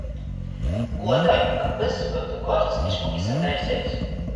Guodoj, kab vyss byutu gords i šmuki sataiseits.